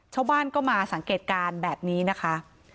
ชาวบ้านก็มาสังเกตการณ์แบบนี้นะคะ